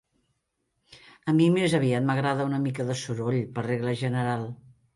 A mi més aviat m'agrada una mica de soroll, per regla general.